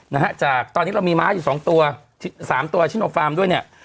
นะฮะจากตอนนี้เรามีม้าอยู่สองตัวสามตัวชิโนฟาร์มด้วยเนี่ย